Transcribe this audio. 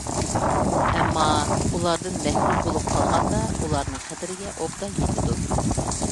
ئەمما، ئۇلاردىن مەھرۇم بولۇپ قالغاندا ئۇلارنىڭ قەدرىگە ئوبدان يېتىدۇ.